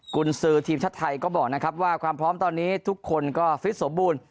คุณซื้อทีมชาติไทยก็บอกนะครับว่าความพร้อมตอนนี้ทุกคนก็ฟิตสมบูรณ์